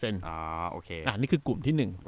นี่คือกลุ่มที่๑